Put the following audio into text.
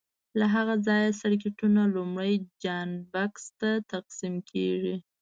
له هغه ځایه سرکټونو لومړني جاینټ بکس ته تقسیم کېږي.